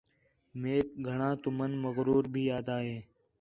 میک گھݨاں تُمن مغرور بھی آہدا ہِے